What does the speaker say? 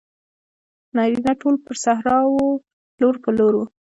نارینه ټول پر صحرا وو لور په لور وو.